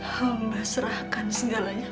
hamba serahkan segalanya